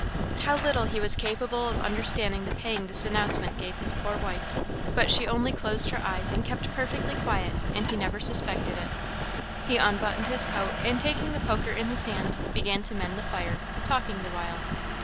How little he was capable of understanding the pang this announcement gave his poor wife! But she only closed her eyes and kept perfectly quiet, and he never suspected it. He unbuttoned his coat, and taking the poker in his hand, began to mend the fire, talking the while.